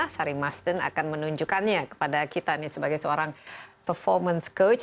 sari masden akan menunjukkannya kepada kita nih sebagai seorang performance coach